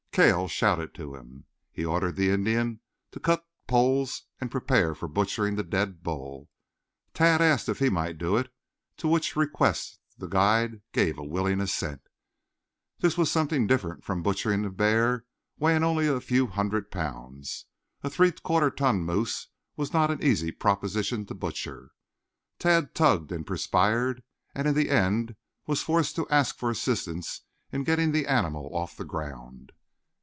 Cale shouted to him. He ordered the Indian to cut poles and prepare for butchering the dead bull. Tad asked if he might do it, to which request the guide gave a willing assent. This was somewhat different from butchering a bear weighing only a few hundred pounds. A three quarter ton moose was not an easy proposition to butcher. Tad tugged and perspired, and in the end was forced to ask for assistance in getting the animal off the ground.